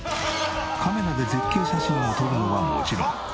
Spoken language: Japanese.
カメラで絶景写真を撮るのはもちろん。